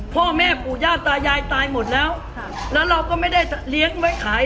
พ่อแม่ปู่ย่าตายายตายหมดแล้วแล้วเราก็ไม่ได้เลี้ยงไว้ขาย